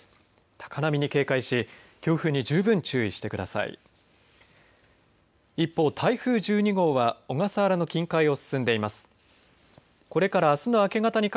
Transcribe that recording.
高波に警戒し強風に十分注意してください。